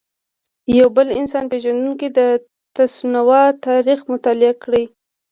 یو بل انسان پېژندونکی د تسوانا تاریخ مطالعه کړی.